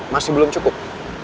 masih belum cukup